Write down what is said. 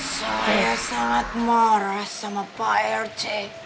saya sangat marah sama pak rt